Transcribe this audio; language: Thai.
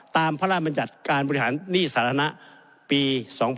พระราชบัญญัติการบริหารหนี้สาธารณะปี๒๕๖๒